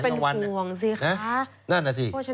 เป็นผัวของสิคะ